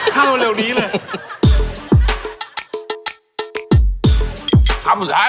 เข้าเร็วนี้เลย